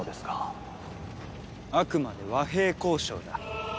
あくまで和平交渉だ。